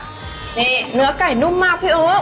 นี่เนื้อไก่นุ่มมากพี่โอ๊